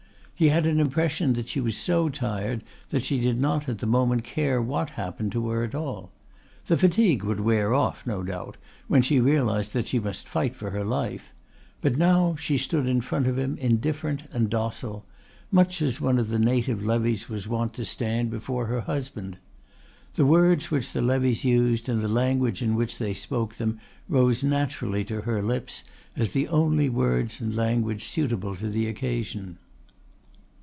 He had an impression that she was so tired that she did not at the moment care what happened to her at all. The fatigue would wear off, no doubt, when she realised that she must fight for her life, but now she stood in front of him indifferent and docile much as one of the native levies was wont to stand before her husband. The words which the levies used and the language in which they spoke them rose naturally to her lips, as the only words and language suitable to the occasion.